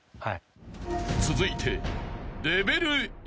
［続いて］